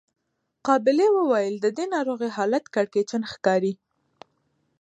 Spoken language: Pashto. قابلې وويل د دې ناروغې حالت کړکېچن ښکاري.